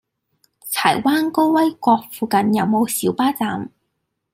柴灣高威閣附近有無小巴站？